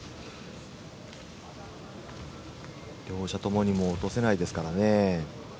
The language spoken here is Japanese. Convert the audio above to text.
両者ともにもう落とせないですからね。